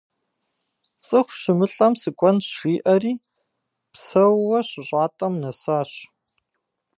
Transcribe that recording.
Цӏыху щымылӏэм сыкӏуэнщ жиӏэри, псэууэ щыщӏатӏэм нэсащ.